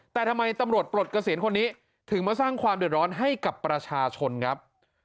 แต่ทำไมตำรวจปลดเกษียณคนนี้ถึงมาสร้างความเดือดร้อนให้กับประชาชนครับ